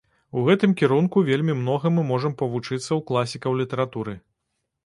У гэтым кірунку вельмі многа мы можам павучыцца ў класікаў літаратуры.